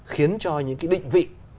khiến cho những cái định vị